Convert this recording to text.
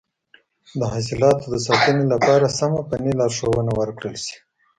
د حاصلاتو د ساتنې لپاره سمه فني لارښوونه ورکړل شي.